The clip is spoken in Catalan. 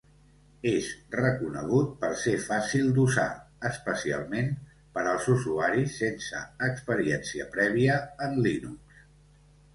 És reconegut per ser fàcil d'usar, especialment per als usuaris sense experiència prèvia en Linux.